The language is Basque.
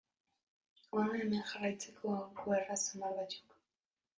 Hona hemen jarraitzeko aholku erraz samar batzuk.